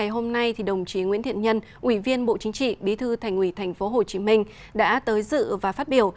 hôm nay đồng chí nguyễn thiện nhân ủy viên bộ chính trị bí thư thành ủy tp hcm đã tới dự và phát biểu